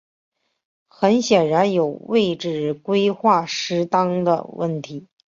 很显然有位置规划失当的问题。